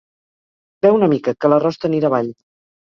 Beu una mica, que l'arròs t'anirà avall.